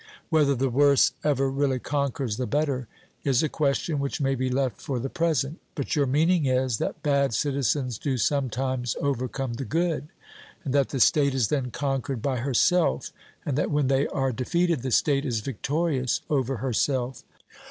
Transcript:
Whether the worse ever really conquers the better, is a question which may be left for the present; but your meaning is, that bad citizens do sometimes overcome the good, and that the state is then conquered by herself, and that when they are defeated the state is victorious over herself.